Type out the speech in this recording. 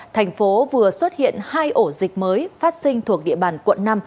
tp hcm vừa xuất hiện hai ổ dịch mới phát sinh thuộc địa bàn quận năm